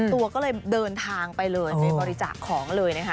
ตัวก็เลยเดินทางไปเลยไปบริจาคของเลยนะคะ